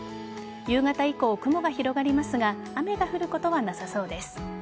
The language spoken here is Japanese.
夕方以降、雲が広がりますが雨が降ることはなさそうです。